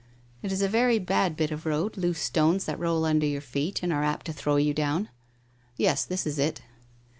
It is a very bad bit of road — loose stones that roll under your feet and are apt to throw you down. Yes, this is it.'